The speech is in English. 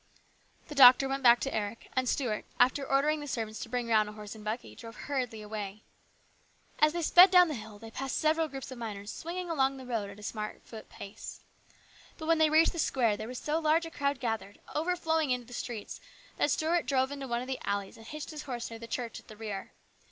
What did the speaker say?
The doctor went back to Eric, and Stuart, after ordering the servants to bring round a horse and buggy, drove hurriedly away. As they sped down the hill they passed several 86 HIS BROTHER'S KEEPER. groups of miners swinging along the road at a smart foot pace. But when they reached the square there was so large a crowd gathered, overflowing into the streets, that Stuart drove into one of the alleys and hitched his horse near the church at the rear.